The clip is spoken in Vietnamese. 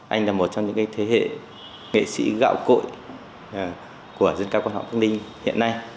anh là một trong những thế hệ nghệ sĩ gạo cội của diễn cao quan học phương đinh hiện nay